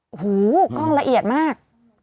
โอ้โหกล้องละเอียดมาก